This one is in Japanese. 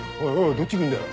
どっちいくんだよ。